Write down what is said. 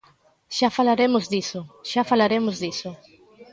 Xa falaremos diso, xa falaremos diso.